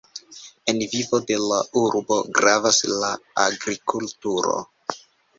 En vivo de la urbo gravas la agrikulturo.